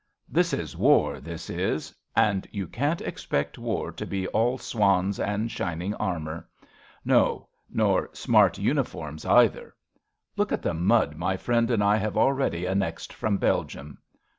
This is war, this is ! And you can't expect war to be all swans and shining armour. No — nor smart uniforms either. 11 RADA Look at the mud my friend and I have already annexed from Belgium.